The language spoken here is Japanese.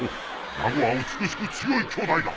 ナゴは美しく強い兄弟だ！